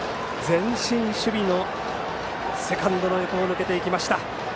前進守備のセカンドの横を抜けていきました。